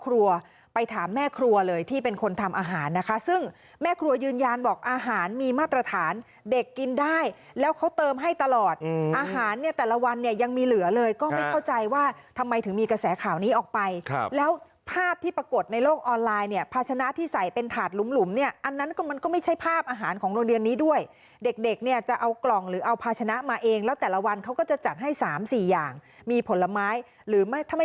อาหารเนี่ยแต่ละวันเนี่ยยังมีเหลือเลยก็ไม่เข้าใจว่าทำไมถึงมีกระแสขาวนี้ออกไปแล้วภาพที่ปรากฏในโลกออนไลน์เนี่ยภาชนะที่ใส่เป็นถาดหลุมเนี่ยอันนั้นก็มันก็ไม่ใช่ภาพอาหารของโรงเรียนนี้ด้วยเด็กเนี่ยจะเอากล่องหรือเอาภาชนะมาเองแล้วแต่ละวันเขาก็จะจัดให้๓๔อย่างมีผลไม้หรือไม่ถ้าไม